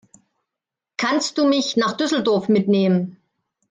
Kannst du mich nach Düsseldorf mitnehmen?